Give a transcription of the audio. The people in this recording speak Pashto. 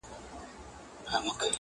o زما هغـه ســـترگو ته ودريـــږي.